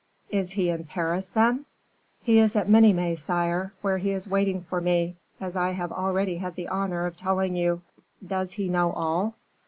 "Is he in Paris, then?" "He is at Minimes, sire, where he is waiting for me, as I have already had the honor of telling you." "Does he know all?"